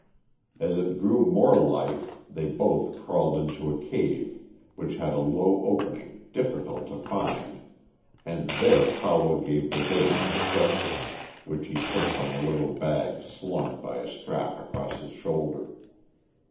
As it grew more light they both crawled into a cave which had a low opening difficult to find, and there Paulo gave the brigand his breakfast, which he took from a little bag slung by a strap across his shoulder.